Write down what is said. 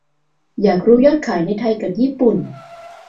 อยากรู้ยอดขาย ในไทยกับญี่ปุ่น